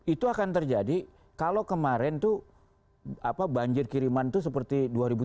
itu akan terjadi kalau kemarin tuh banjir kiriman itu seperti dua ribu tujuh belas